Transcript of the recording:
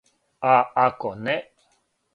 А ако не?